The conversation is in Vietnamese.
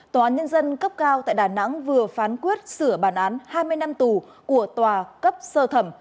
tòa án nhân dân cấp cao tại đà nẵng vừa phán quyết sửa bàn án hai mươi năm tù của tòa cấp sơ thẩm